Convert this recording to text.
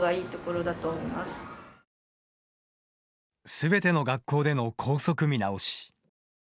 全ての学校での校則見直し。